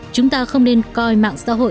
chúng ta không nên coi mạng xã hội